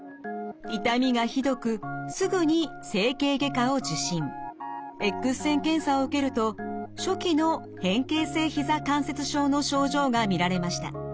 痛みがひどくエックス線検査を受けると初期の変形性ひざ関節症の症状が見られました。